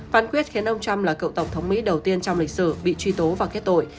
phán quyết khiến ông trump là cựu tổng thống mỹ đầu tiên trong lịch sử bị truy tố và kết tội